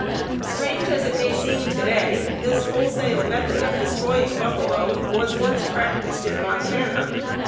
Strange as it may seem to day, this wholesale method of destroying buffalo was once practiced in Montana.